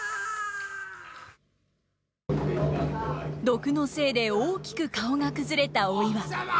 毒のせいで大きく顔が崩れたお岩。